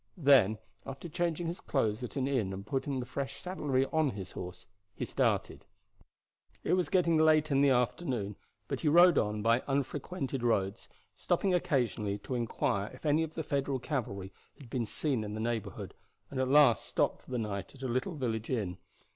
Then, after changing his clothes at an inn and putting the fresh saddlery on his horse, he started. It was getting late in the afternoon, but he rode on by unfrequented roads, stopping occasionally to inquire if any of the Federal cavalry had been seen in the neighborhood, and at last stopped for the night at a little village inn.